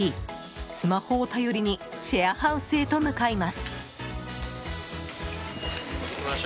スマホを頼りにシェアハウスへと向かいます。